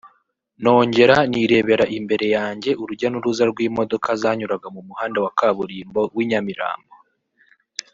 nongera nirebera imbere yanjye urujya n’uruza rw’imodoka zanyuraga mu muhanda wa kaburimbo w’i Nyamirambo